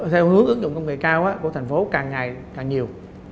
theo hướng ứng dụng công nghệ cao của thành phố càng ngày càng nhiều